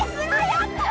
やった！